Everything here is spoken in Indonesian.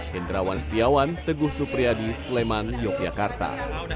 hendrawan setiawan teguh supriyadi sleman yogyakarta